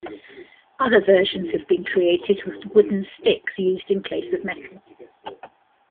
Other versions have been created with wooden sticks used in place of metal.